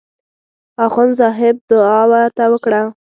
اخندصاحب دعا ورته وکړه.